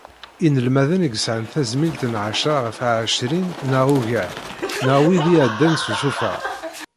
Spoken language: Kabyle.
Inelmaden i yesɛan tazmilt n εecra ɣef εecrin neɣ ugar neɣ wid iɛeddan s usuffeɣ.